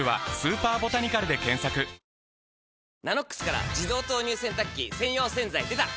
「ＮＡＮＯＸ」から自動投入洗濯機専用洗剤でた！